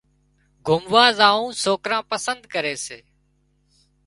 گھمووا زاوون سوڪران پسندي ڪري سي